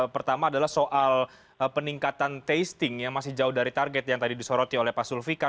pertama adalah soal peningkatan testing yang masih jauh dari target yang tadi disoroti oleh pak sulvika